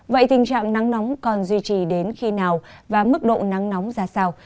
vậy tình trạng nắng nóng còn duy trì đến khi nào và mức độ nắng nóng ra sao